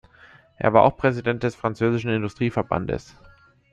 Er war auch Präsident des französischen Industrieverbandes.